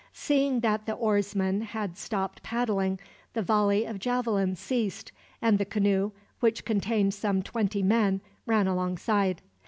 Seeing that the oarsmen had stopped paddling, the volley of javelins ceased; and the canoe, which contained some twenty men, ran alongside.